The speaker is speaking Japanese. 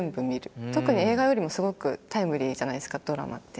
特に映画よりもすごくタイムリーじゃないですかドラマって。